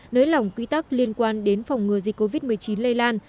nới lỏng quy tắc liên quan đến phòng ngừa dịch covid một mươi chín lây lan